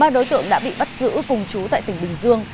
ba đối tượng đã bị bắt giữ cùng chú tại tỉnh bình dương